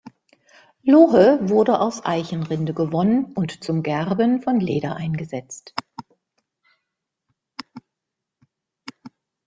Lohe wurde aus Eichenrinde gewonnen und zum Gerben von Leder eingesetzt.